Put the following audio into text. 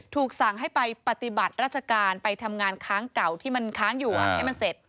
ถูกสั่งให้ไปปฏิบัติราชการไปทำงานค้างเก่าที่มันค้างอยู่ให้มันเสร็จ